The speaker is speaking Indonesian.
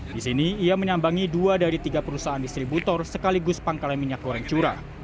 di sini ia menyambangi dua dari tiga perusahaan distributor sekaligus pangkalan minyak goreng curah